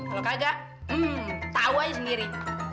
kalau kagak tahu aja sendiri